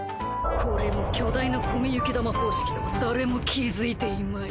これも巨大な古見雪玉方式とは誰も気づいていまい